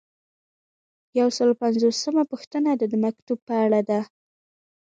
یو سل او اووه پنځوسمه پوښتنه د مکتوب په اړه ده.